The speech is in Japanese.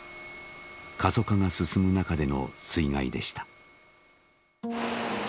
過疎化が進む中での水害でした。